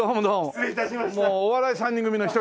失礼致しました。